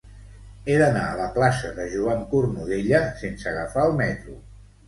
He d'anar a la plaça de Joan Cornudella sense agafar el metro.